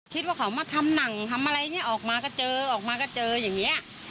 คิดว่าเขามาทำหนังทำอะไรเนี่ยออกมาก็เจอออกมาก็เจออย่างนี้